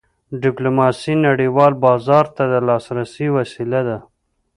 ډیپلوماسي نړیوال بازار ته د لاسرسي وسیله ده.